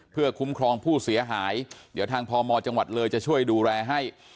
เพื่อคุ้มครองผู้เสียหายเดี๋ยวทางพมจังหวัดเลยจะช่วยดูแลให้